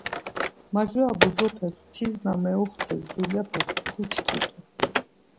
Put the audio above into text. Majura bozopes tis na meuxtes dulyape kuçkit̆u.